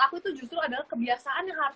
aku tuh justru adalah kebiasaan yang harus